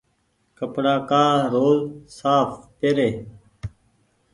ڪپڙآ ڪآ روز ساڦ پيري۔